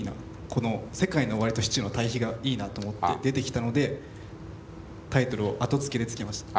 この世界の終わりとシチューの対比がいいなと思って出てきたのでタイトルを後付けで付けました。